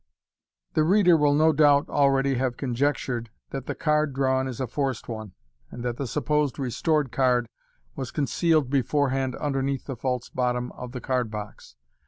The reader will, no doubt, already have conjectured that the card drawn is a forced one, and that the supposed restored card was con cealed beforehand under the false bottom of the card box.